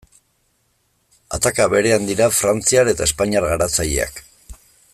Ataka berean dira frantziar eta espainiar garatzaileak.